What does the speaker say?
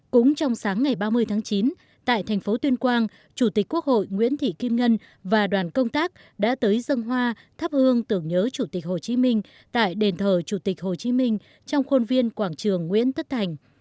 cũng trong sáng ngày ba mươi tháng chín tại thành phố tuyên quang chủ tịch quốc hội nguyễn thị kim ngân và đoàn công tác đã tới dân hoa thắp hương tưởng nhớ chủ tịch hồ chí minh tại đền thờ chủ tịch hồ chí minh trong khuôn viên quảng trường nguyễn tất thành